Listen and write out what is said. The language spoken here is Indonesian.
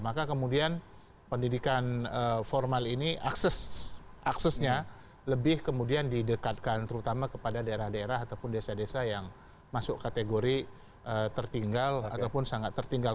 maka kemudian pendidikan formal ini aksesnya lebih kemudian didekatkan terutama kepada daerah daerah ataupun desa desa yang masuk kategori tertinggal ataupun sangat tertinggal